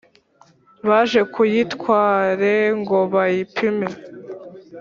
Baje kuyitware ngo bayipime